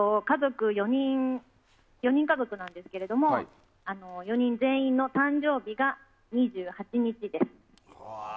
４人家族なんですけど４人全員の誕生日が２８日です。